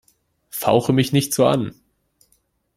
Fauche mich nicht so an!